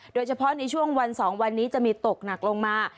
โดยเฉพาะในช่วงวัน๒วันนี้จะมีตกหนักลงมา